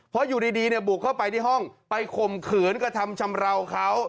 เพราะอยู่ดีเนี่ยบุกเข้าไปที่ห้องไปข่มขืนกระทำชำราวเขา